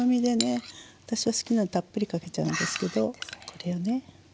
私は好きなのでたっぷりかけちゃうんですけどこれをね。